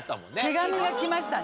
手紙が来ましたね。